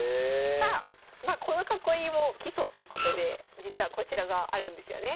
さあこの囲いも基礎ということで実はこちらがあるんですよね。